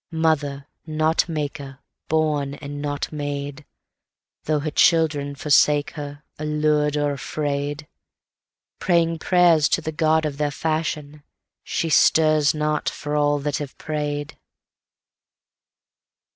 Mother, not maker, Born, and not made; Though her children forsake her, Allur'd or afraid, Praying prayers to the God of their fashion, she stirs not for all that have pray'd.